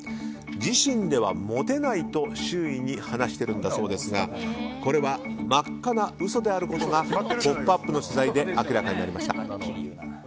自身ではモテないと周囲に話しているんだそうですがこれは真っ赤な嘘であることが「ポップＵＰ！」の取材で明らかになりました。